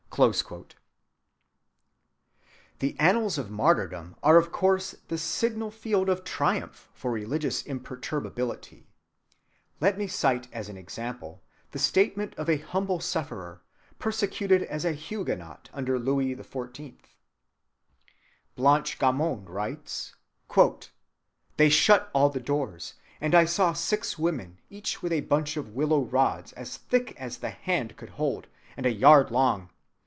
(171) The annals of martyrdom are of course the signal field of triumph for religious imperturbability. Let me cite as an example the statement of a humble sufferer, persecuted as a Huguenot under Louis XIV.:— "They shut all the doors," Blanche Gamond writes, "and I saw six women, each with a bunch of willow rods as thick as the hand could hold, and a yard long.